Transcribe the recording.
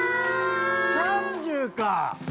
３０か。